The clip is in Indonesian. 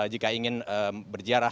jika ingin berziarah